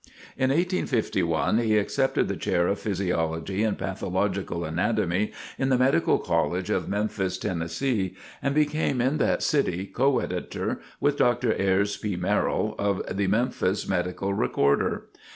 In 1851 he accepted the chair of Physiology and Pathological Anatomy in the Medical College of Memphis, Tennessee, and became in that city co editor with Dr. Ayres P. Merrill, of the "Memphis Medical Recorder."